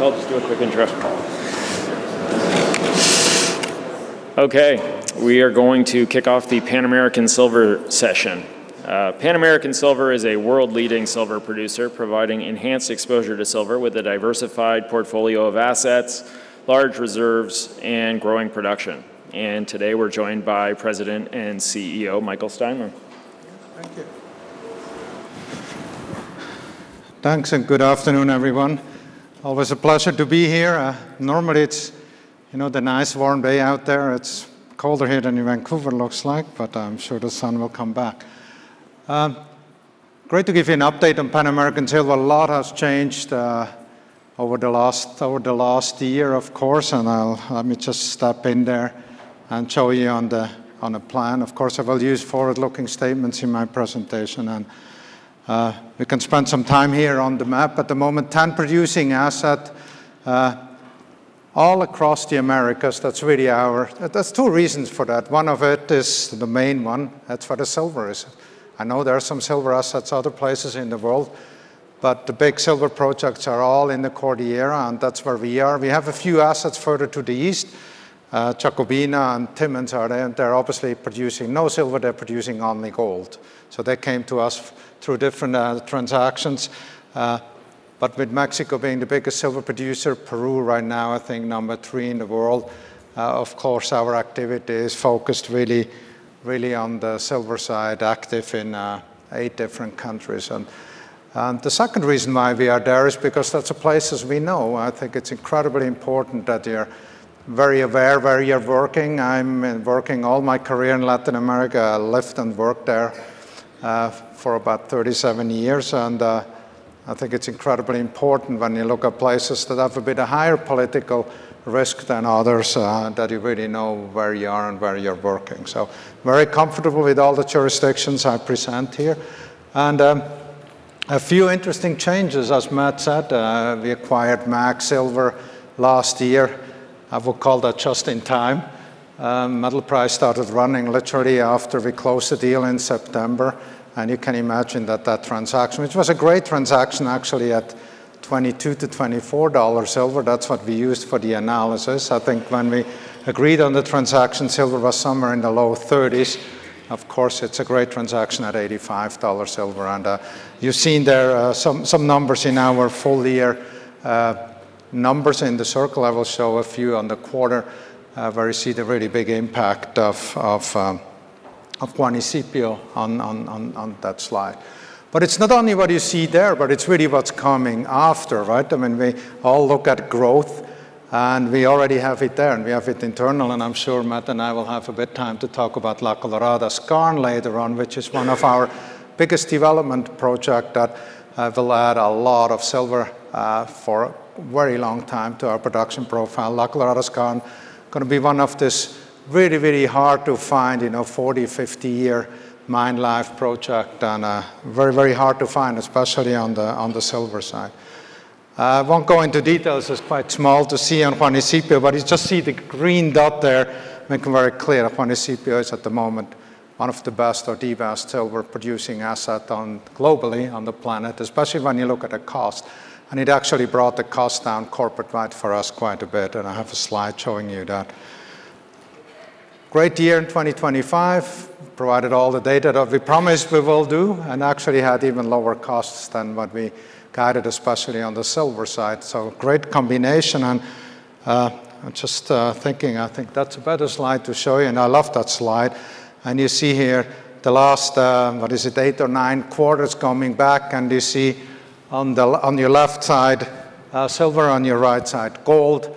I'll just do a quick intro call. We are going to kick off the Pan American Silver session. Pan American Silver is a world-leading silver producer, providing enhanced exposure to silver with a diversified portfolio of assets, large reserves, and growing production. Today, we're joined by President and CEO, Michael Steinmann. Thank you. Thanks, and good afternoon, everyone. Always a pleasure to be here. Normally, it's, you know, the nice, warm day out there. It's colder here than in Vancouver, looks like, but I'm sure the sun will come back. Great to give you an update on Pan American Silver. A lot has changed, over the last, over the last year, of course, and I'll-- let me just step in there and show you on the, on the plan. Of course, I will use forward-looking statements in my presentation, and, we can spend some time here on the map. At the moment, 10 producing asset, all across the Americas, that's really our... There's two reasons for that. One of it is the main one, that's where the silver is. I know there are some silver assets other places in the world, but the big silver projects are all in the Cordillera, and that's where we are. We have a few assets further to the east, Jacobina and Timmins are there, and they're obviously producing no silver, they're producing only gold. They came to us through different transactions. But with Mexico being the biggest silver producer, Peru right now, I think, 3 in the world, of course, our activity is focused really, really on the silver side, active in 8 different countries. And the second reason why we are there is because that's the places we know. I think it's incredibly important that you're very aware where you're working. I'm working all my career in Latin America. I lived and worked there for about 37 years. I think it's incredibly important when you look at places that have a bit of higher political risk than others, that you really know where you are and where you're working. Very comfortable with all the jurisdictions I present here. A few interesting changes, as Matt said, we acquired MAG Silver last year. I will call that just in time. Metal price started running literally after we closed the deal in September, and you can imagine that that transaction, which was a great transaction, actually, at $22-$24 silver, that's what we used for the analysis. I think when we agreed on the transaction, silver was somewhere in the low $30s. Of course, it's a great transaction at $85 silver. You've seen there, some, some numbers in our full year, numbers in the circle. I will show a few on the quarter, where you see the really big impact of, of, Juanicipio on, on, on, on that slide. It's not only what you see there, but it's really what's coming after, right? I mean, we all look at growth, and we already have it there, and we have it internal. I'm sure Matt and I will have a bit time to talk about La Colorada skarn later on, which is one of our biggest development project that will add a lot of silver for a very long time to our production profile. La Colorada skarn gonna be one of this very, very hard to find, you know, 40, 50-year mine life project, and very, very hard to find, especially on the, on the silver side. I won't go into details, it's quite small to see on Juanicipio, but you just see the green dot there, make it very clear, Juanicipio is, at the moment, one of the best or the best silver-producing asset globally on the planet, especially when you look at the cost. It actually brought the cost down corporate-wide for us quite a bit, and I have a slide showing you that. Great year in 2025, provided all the data that we promised we will do, and actually had even lower costs than what we guided, especially on the silver side. Great combination and, I'm just thinking, I think that's a better slide to show you, and I love that slide. You see here the last, what is it? eight or nine quarters coming back, and you see on your left side, silver, on your right side, gold,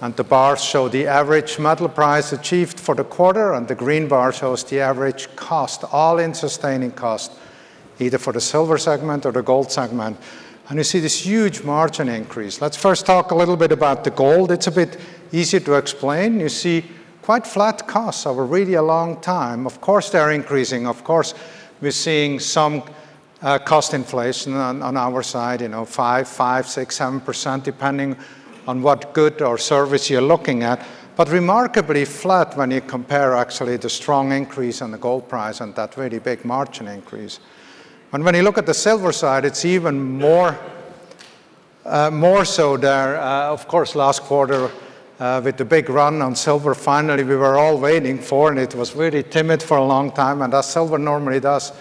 and the bars show the average metal price achieved for the quarter, and the green bar shows the average cost, all-in sustaining cost, either for the silver segment or the gold segment. You see this huge margin increase. Let's first talk a little bit about the gold. It's a bit easier to explain. You see quite flat costs over really a long time. Of course, they're increasing. Of course, we're seeing some, cost inflation on, on our side, you know, 5, 5, 6, 7%, depending on what good or service you're looking at. Remarkably flat when you compare actually the strong increase in the gold price and that really big margin increase. When you look at the silver side, it's even more, more so there. Of course, last quarter, with the big run on silver, finally, we were all waiting for, and it was really timid for a long time, and as silver normally does,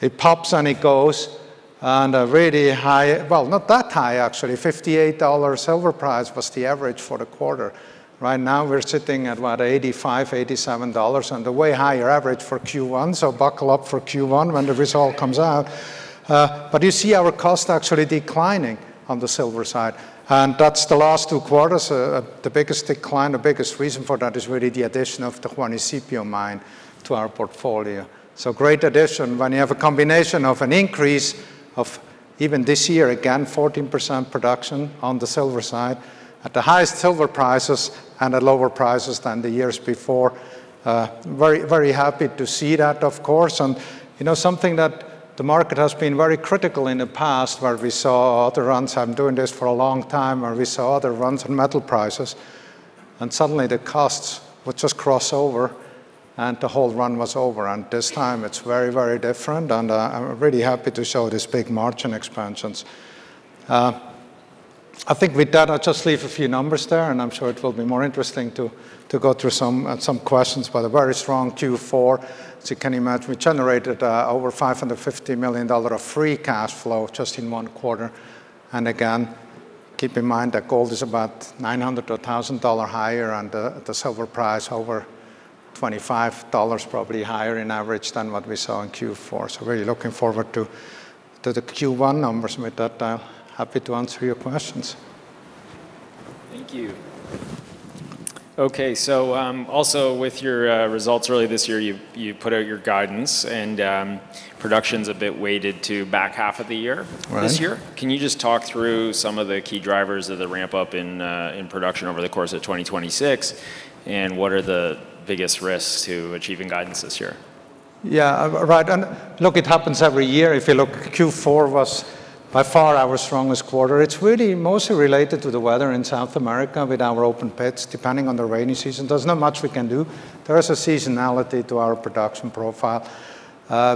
it pops, and it goes on a really high, well, not that high, actually. $58 silver price was the average for the quarter. Right now, we're sitting at what? $85-$87, and a way higher average for Q1, so buckle up for Q1 when the result comes out. You see our cost actually declining on the silver side, and that's the last two quarters. The biggest decline, the biggest reason for that is really the addition of the Juanicipio mine to our portfolio. Great addition. When you have a combination of an increase of, even this year, again, 14% production on the silver side, at the highest silver prices and at lower prices than the years before, very, very happy to see that, of course. You know, something that the market has been very critical in the past, where we saw the runs, I'm doing this for a long time, where we saw the runs in metal prices... Suddenly the costs would just cross over, and the whole run was over. This time it's very, very different, and I'm really happy to show this big margin expansions. I think with that, I'll just leave a few numbers there, I'm sure it will be more interesting to, to go through some questions. A very strong Q4. As you can imagine, we generated over $550 million of free cash flow just in one quarter. Again, keep in mind that gold is about $900-$1,000 higher, and the silver price over $25, probably higher in average than what we saw in Q4. Really looking forward to the Q1 numbers. With that, I'm happy to answer your questions. Thank you. Okay, so, also with your results early this year, you, you put out your guidance, and production's a bit weighted to back half of the year. Right. -this year. Can you just talk through some of the key drivers of the ramp-up in, in production over the course of 2026? What are the biggest risks to achieving guidance this year? Yeah, right. Look, it happens every year. If you look, Q4 was by far our strongest quarter. It's really mostly related to the weather in South America with our open pits, depending on the rainy season. There's not much we can do. There is a seasonality to our production profile.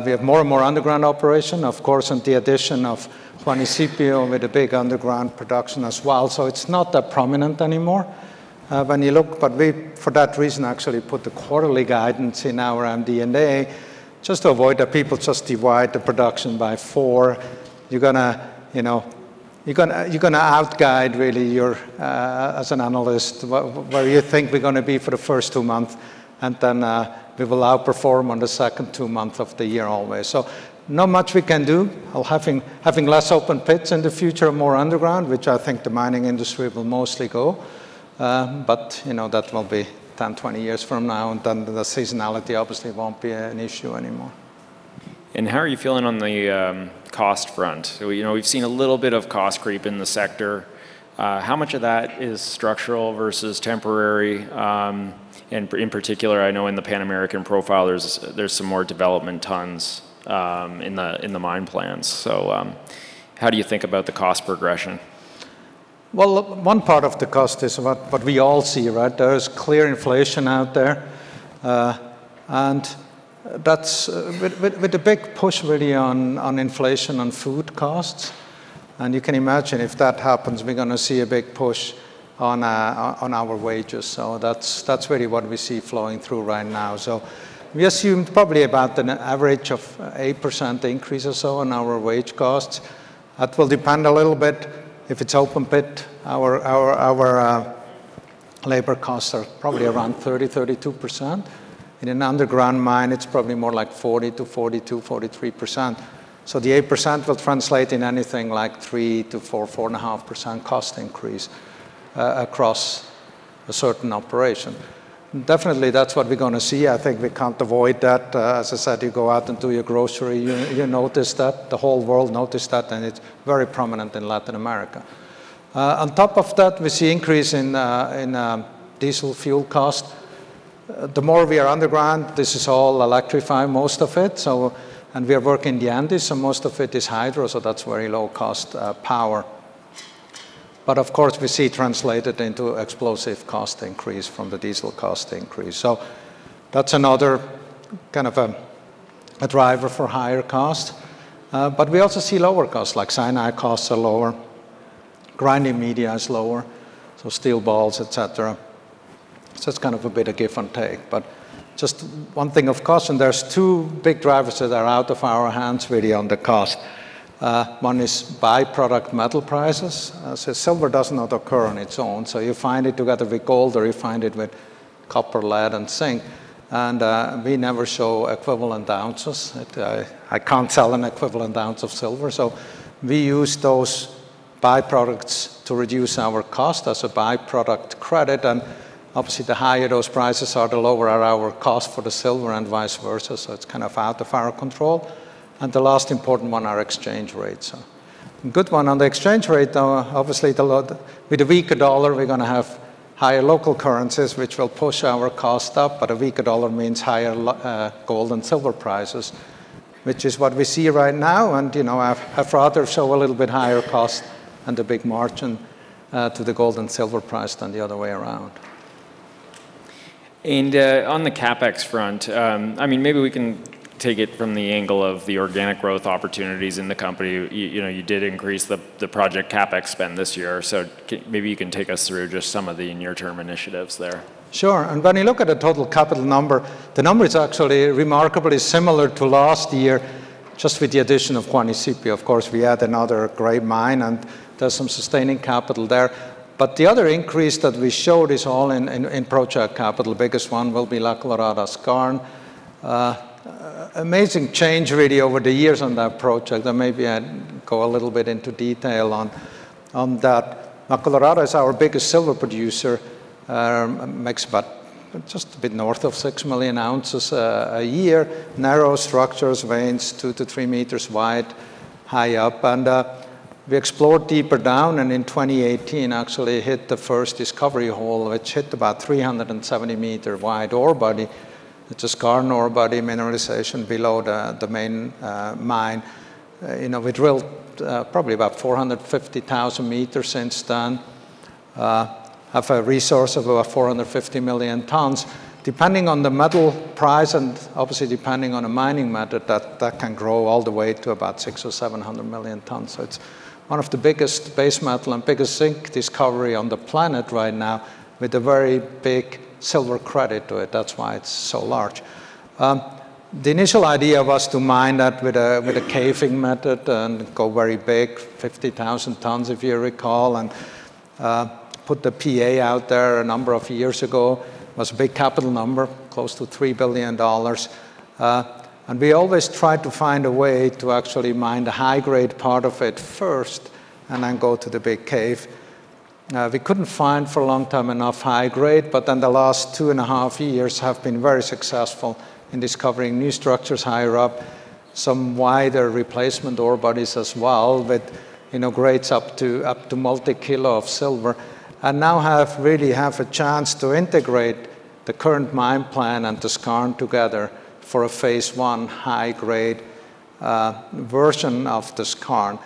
We have more and more underground operation, of course, and the addition of Juanicipio with a big underground production as well, so it's not that prominent anymore. When you look. We, for that reason, actually put the quarterly guidance in our MD&A, just to avoid that people just divide the production by 4. You're gonna, you know, you're gonna, you're gonna outguide really your, as an analyst, where you think we're gonna be for the first two months, and then, we will outperform on the second two month of the year always. Not much we can do. Well, having, having less open pits in the future, more underground, which I think the mining industry will mostly go, you know, that will be 10-20 years from now, then the seasonality obviously won't be an issue anymore. How are you feeling on the cost front? You know, we've seen a little bit of cost creep in the sector. How much of that is structural versus temporary? In particular, I know in the Pan American profile, there's, there's some more development tons in the mine plans. How do you think about the cost progression? One part of the cost is what, what we all see, right? There is clear inflation out there, and that's with a big push really on, on inflation on food costs. You can imagine if that happens, we're gonna see a big push on our wages. That's, that's really what we see flowing through right now. We assume probably about an average of 8% increase or so on our wage costs. That will depend a little bit if it's open pit. Our, our, our labor costs are probably around 30%-32%. In an underground mine, it's probably more like 40%-43%. The 8% will translate in anything like 3%-4.5% cost increase across a certain operation. Definitely, that's what we're gonna see. I think we can't avoid that. As I said, you go out and do your grocery, you, you notice that, the whole world notice that, it's very prominent in Latin America. On top of that, we see increase in diesel fuel cost. The more we are underground, this is all electrified, most of it, so... We work in the Andes, so most of it is hydro, so that's very low cost power. Of course, we see it translated into explosive cost increase from the diesel cost increase. That's another kind of a driver for higher cost. We also see lower costs, like cyanide costs are lower, grinding media is lower, so steel balls, et cetera. It's kind of a bit of give and take. Just one thing, of course, there's two big drivers that are out of our hands really on the cost. One is by-product metal prices. Silver does not occur on its own, so you find it together with gold, or you find it with copper, lead, and zinc. We never show equivalent ounces. I can't sell an equivalent ounce of silver, so we use those by-products to reduce our cost as a by-product credit, and obviously, the higher those prices are, the lower are our cost for the silver and vice versa, so it's kind of out of our control. The last important one are exchange rates. Good one on the exchange rate, though, obviously, with a weaker dollar, we're gonna have higher local currencies, which will push our cost up, but a weaker dollar means higher gold and silver prices, which is what we see right now, and, you know, I'd, I'd rather show a little bit higher cost and a big margin to the gold and silver price than the other way around. on the CapEx front, I mean, maybe we can take it from the angle of the organic growth opportunities in the company. You, you know, you did increase the, the project CapEx spend this year, so maybe you can take us through just some of the near-term initiatives there. Sure, when you look at the total capital number, the number is actually remarkably similar to last year, just with the addition of Juanicipio. Of course, we add another great mine, and there's some sustaining capital there. The other increase that we showed is all in, in, in project capital. The biggest one will be La Colorada skarn. Amazing change really over the years on that project, and maybe I'd go a little bit into detail on, on that. La Colorada is our biggest silver producer, makes about just a bit north of 6 million ounces a year. Narrow structures, veins, 2-3 meters wide, high up, and we explored deeper down, and in 2018, actually hit the first discovery hole, which hit about 370 meter wide ore body. It's a skarn ore body mineralization below the, the main mine. You know, we drilled probably about 450,000 meters since then, have a resource of about 450 million tons. Depending on the metal price, and obviously depending on the mining method, that, that can grow all the way to about 600 or 700 million tons. It's one of the biggest base metal and biggest zinc discovery on the planet right now, with a very big silver credit to it. That's why it's so large. The initial idea was to mine that with a, with a caving method and go very big, 50,000 tons, if you recall, and put the PEA out there a number of years ago. It was a big capital number, close to $3 billion. We always tried to find a way to actually mine the high-grade part of it first, and then go to the big cave. We couldn't find, for a long time, enough high grade, but then the last two and a half years have been very successful in discovering new structures higher up, some wider replacement ore bodies as well, with, you know, grades up to, up to multi-kilo of silver. Now really have a chance to integrate the current mine plan and the skarn together for a phase one high-grade version of the skarn.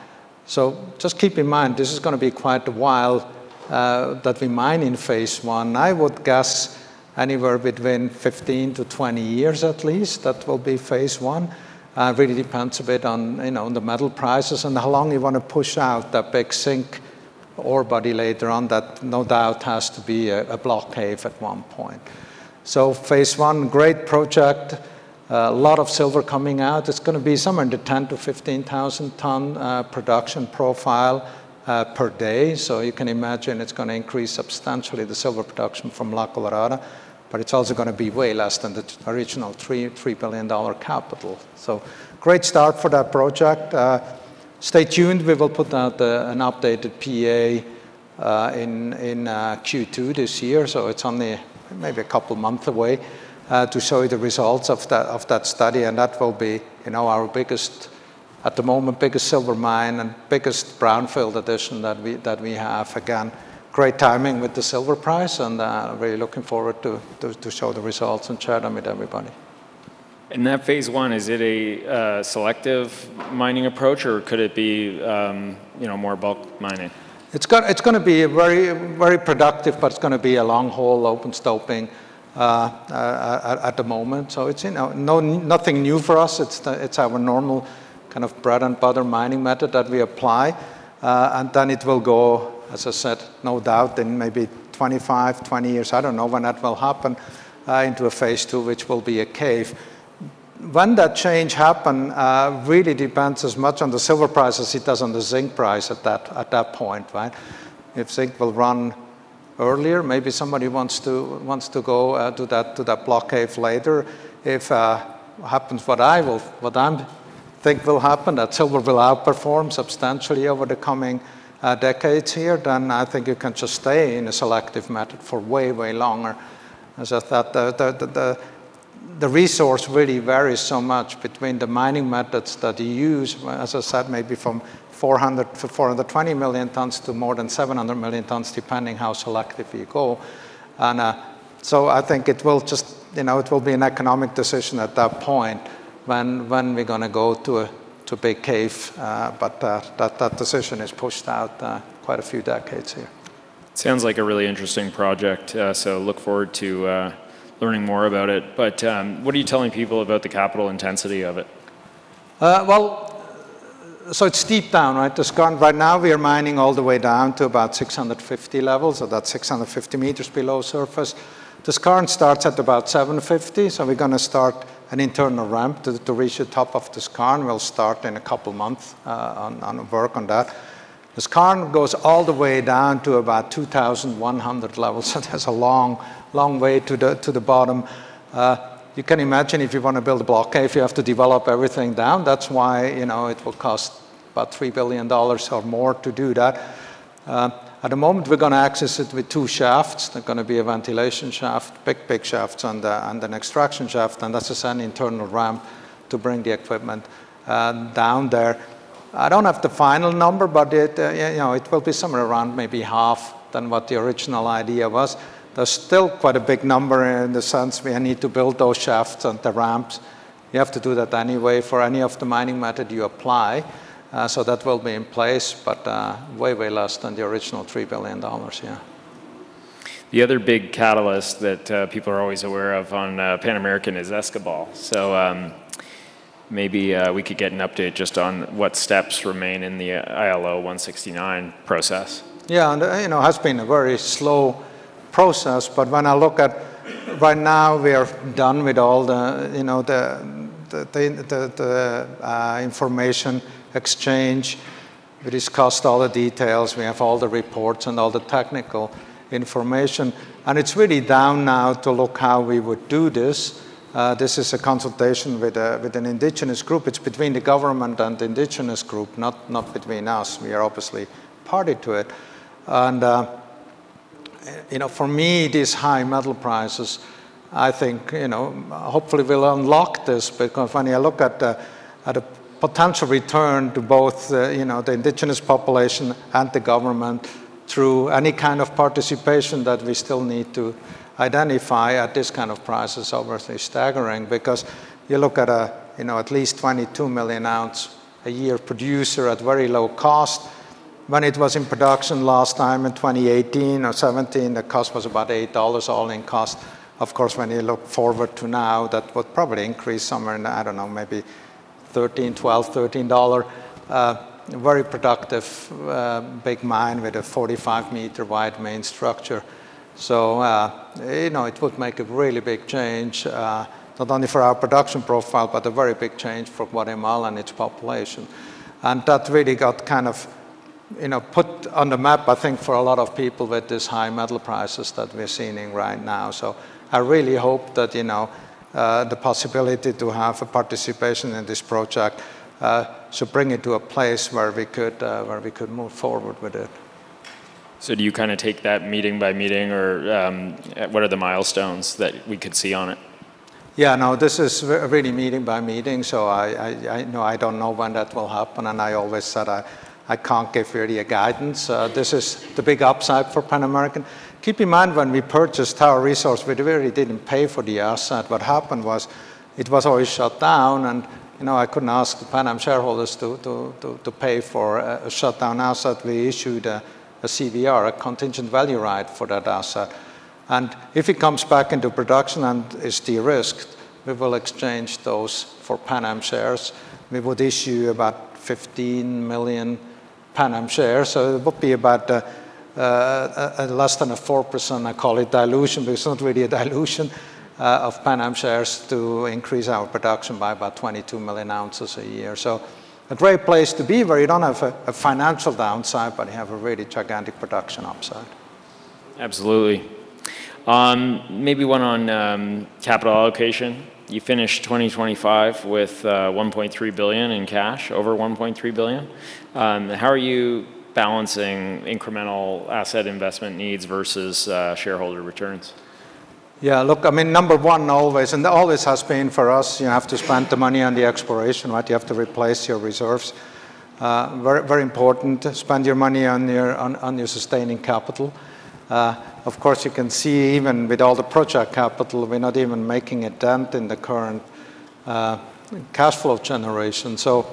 Just keep in mind, this is gonna be quite a while that we mine in phase one. I would guess anywhere between 15-20 years at least, that will be phase one. Really depends a bit on, you know, the metal prices and how long you wanna push out that big zinc ore body later on, that no doubt has to be a, a block caving at one point. Phase one, great project, a lot of silver coming out. It's gonna be somewhere in the 10,000-15,000 ton production profile per day. You can imagine it's gonna increase substantially the silver production from La Colorada, it's also gonna be way less than the original $3 billion capital. Great start for that project. Stay tuned, we will put out an updated PEA in Q2 this year. It's only maybe a couple of months away to show you the results of that, of that study, and that will be, you know, our biggest, at the moment, biggest silver mine and biggest brownfield addition that we, that we have. Great timing with the silver price, and really looking forward to show the results and share them with everybody. That phase one, is it a selective mining approach, or could it be, you know, more bulk mining? It's gonna be very, very productive, but it's gonna be a long-hole, open stoping, at the moment. It's, you know, nothing new for us. It's the, it's our normal kind of bread and butter mining method that we apply. Then it will go, as I said, no doubt in maybe 25, 20 years, I don't know when that will happen, into a phase two, which will be a cave. When that change happen, really depends as much on the silver price as it does on the zinc price at that, at that point, right? If zinc will run earlier, maybe somebody wants to, wants to go, to that block caving later. If happens what I think will happen, that silver will outperform substantially over the coming decades here, then I think you can just stay in a selective method for way, way longer. As I thought, the resource really varies so much between the mining methods that you use, as I said, maybe from 400 million-420 million tons to more than 700 million tons, depending how selective you go. So I think it will just, you know, it will be an economic decision at that point when we're gonna go to a big cave, but that decision is pushed out quite a few decades here. Sounds like a really interesting project, so look forward to, learning more about it. What are you telling people about the capital intensity of it? Well, it's deep down, right? The skarn right now, we are mining all the way down to about 650 levels, that's 650 meters below surface. The skarn starts at about 750, we're gonna start an internal ramp to reach the top of the skarn. We'll start in a couple of months on work on that. The skarn goes all the way down to about 2,100 levels, it has a long, long way to the bottom. You can imagine if you want to build a block caving, you have to develop everything down. That's why, you know, it will cost about $3 billion or more to do that. At the moment, we're gonna access it with two shafts. There's gonna be a ventilation shaft, big, big shafts, and an extraction shaft, and this is an internal ramp to bring the equipment down there. I don't have the final number, but it, you know, it will be somewhere around maybe half than what the original idea was. There's still quite a big number in the sense we need to build those shafts and the ramps. You have to do that anyway for any of the mining method you apply, so that will be in place, but way, way less than the original $3 billion. Yeah. The other big catalyst that people are always aware of on Pan American is Escobal. Maybe we could get an update just on what steps remain in the ILO Convention 169 process. Yeah, you know, it has been a very slow process, but when I look by now, we are done with all the, you know, information exchange. We discussed all the details, we have all the reports and all the technical information, it's really down now to look how we would do this. This is a consultation with a, with an indigenous group. It's between the government and the indigenous group, not, not between us. We are obviously party to it. You know, for me, these high metal prices, I think, you know, hopefully will unlock this, because when you look at the, at the potential return to both, you know, the indigenous population and the government through any kind of participation that we still need to identify at this kind of prices are obviously staggering. You look at a, you know, at least 22 million ounce a year producer at very low cost. When it was in production last time in 2018 or 2017, the cost was about $8 all-in cost. Of course, when you look forward to now, that would probably increase somewhere in, I don't know, maybe $13, $12, $13. Very productive, big mine with a 45-meter wide main structure. You know, it would make a really big change, not only for our production profile, but a very big change for Guatemala and its population. That really got kind of, you know, put on the map, I think, for a lot of people with these high metal prices that we're seeing right now. I really hope that, you know, the possibility to have a participation in this project, should bring it to a place where we could, where we could move forward with it. Do you kind of take that meeting by meeting, or, what are the milestones that we could see on it? Yeah, no, this is really meeting by meeting. I don't know when that will happen. I always said I can't give really a guidance. This is the big upside for Pan American. Keep in mind, when we purchased our resource, we really didn't pay for the asset. What happened was it was already shut down, you know, I couldn't ask the Pan Am shareholders to pay for a shut down asset. We issued a CVR, a contingent value right for that asset. If it comes back into production and is de-risked, we will exchange those for Pan Am shares. We would issue about 15 million Pan Am shares, it would be about less than a 4%, I call it dilution, but it's not really a dilution of Pan Am shares to increase our production by about 22 million ounces a year. A great place to be where you don't have a financial downside, but you have a really gigantic production upside. Absolutely. Maybe one on capital allocation. You finished 2025 with $1.3 billion in cash, over $1.3 billion. How are you balancing incremental asset investment needs versus shareholder returns? Yeah, look, I mean, number one, always, always has been for us, you have to spend the money on the exploration, right? You have to replace your reserves. Very, very important to spend your money on your sustaining capital. Of course, you can see even with all the project capital, we're not even making a dent in the current cash flow generation, so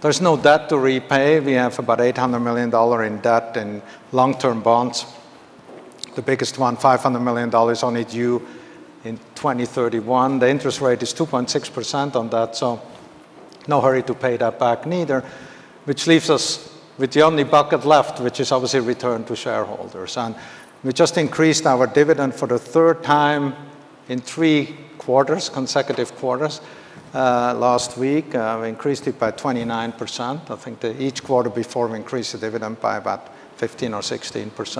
there's no debt to repay. We have about $800 million in debt in long-term bonds. The biggest one, $500 million, on it, due in 2031. The interest rate is 2.6% on that, no hurry to pay that back neither, which leaves us with the only bucket left, which is obviously return to shareholders. We just increased our dividend for the third time in three quarters, consecutive quarters, last week. We increased it by 29%. I think that each quarter before, we increased the dividend by about 15% or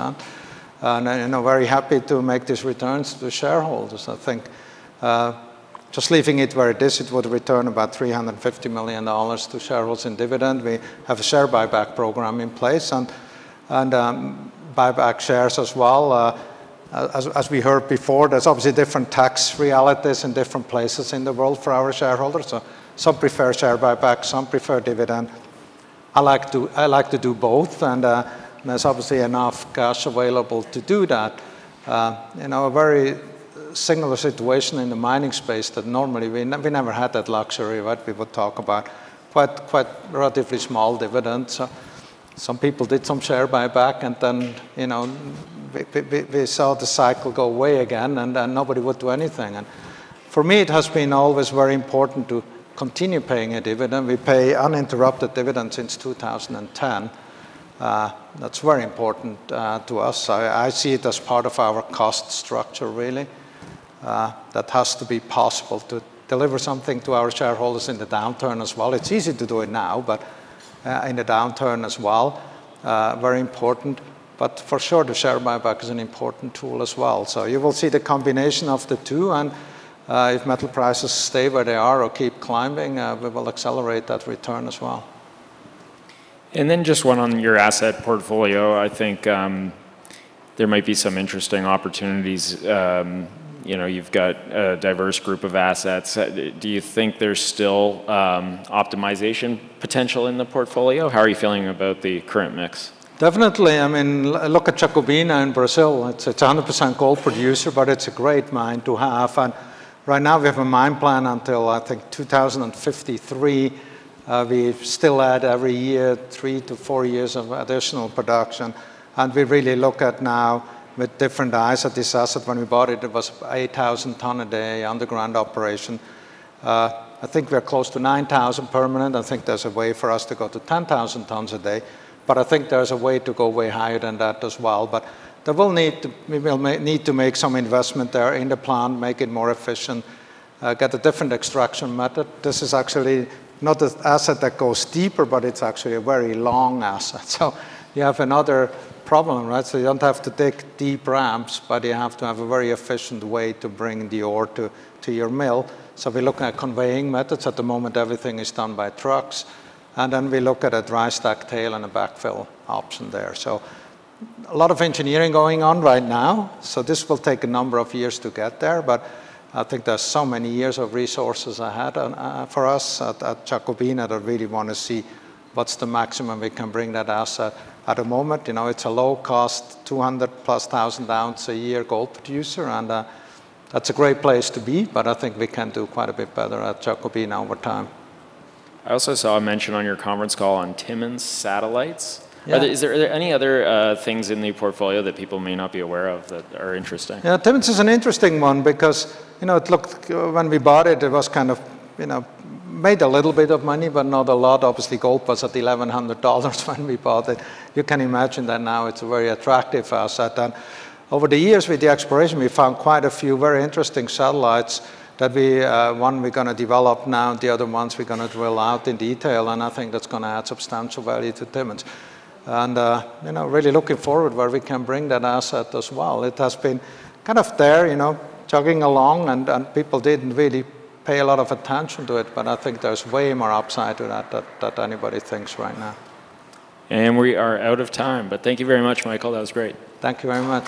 16%. I'm, you know, very happy to make these returns to the shareholders. I think, just leaving it where it is, it would return about $350 million to shareholders in dividend. We have a share buyback program in place and, and buyback shares as well. As, as we heard before, there's obviously different tax realities in different places in the world for our shareholders. Some prefer share buyback, some prefer dividend. I like to, I like to do both, and there's obviously enough cash available to do that. You know, a very similar situation in the mining space that normally we never had that luxury, right? People talk about quite, quite relatively small dividends. Some people did some share buyback, and then, you know, they, they, they, they saw the cycle go away again, and then nobody would do anything. For me, it has been always very important to continue paying a dividend. We pay uninterrupted dividend since 2010. That's very important to us. I, I see it as part of our cost structure, really. That has to be possible to deliver something to our shareholders in the downturn as well. It's easy to do it now, but in the downturn as well, very important. For sure, the share buyback is an important tool as well. You will see the combination of the two, and if metal prices stay where they are or keep climbing, we will accelerate that return as well. Then just one on your asset portfolio. I think, there might be some interesting opportunities. You know, you've got a diverse group of assets. Do you think there's still, optimization potential in the portfolio? How are you feeling about the current mix? Definitely. I mean, look at Jacobina in Brazil. It's a 100% gold producer, but it's a great mine to have. Right now, we have a mine plan until, I think, 2053. We still add every year, 3-4 years of additional production, and we really look at now with different eyes at this asset. When we bought it, it was 8,000 ton a day underground operation. I think we are close to 9,000 permanent. I think there's a way for us to go to 10,000 tons a day, but I think there's a way to go way higher than that as well. There will need to make some investment there in the plant, make it more efficient, get a different extraction method. This is actually not an asset that goes deeper, but it's actually a very long asset. You have another problem, right? You don't have to take deep ramps, but you have to have a very efficient way to bring the ore to, to your mill. We're looking at conveying methods. At the moment, everything is done by trucks, and then we look at a dry stack tailings and a backfill option there. A lot of engineering going on right now, so this will take a number of years to get there, but I think there's so many years of resources ahead. For us at Jacobina, I really want to see what's the maximum we can bring that asset. At the moment, you know, it's a low cost, 200,000+ ounce a year gold producer, and, that's a great place to be, but I think we can do quite a bit better at Jacobina over time. I also saw a mention on your conference call on Timmins satellites. Yeah. Is there any other things in the portfolio that people may not be aware of that are interesting? Yeah, Timmins is an interesting one because, you know, when we bought it, it was kind of, you know, made a little bit of money, but not a lot. Obviously, gold was at $1,100 when we bought it. You can imagine that now it's a very attractive asset. Over the years, with the exploration, we found quite a few very interesting satellites that we, one we're gonna develop now, the other ones, we're gonna drill out in detail, and I think that's gonna add substantial value to Timmins. You know, really looking forward where we can bring that asset as well. It has been kind of there, you know, chugging along, and, and people didn't really pay a lot of attention to it, but I think there's way more upside to that anybody thinks right now. We are out of time, thank you very much, Michael. That was great. Thank you very much.